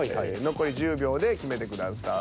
残り１０秒で決めてください。